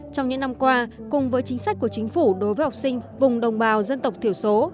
trong những năm qua cùng với chính sách của chính phủ đối với học sinh vùng đồng bào dân tộc thiểu số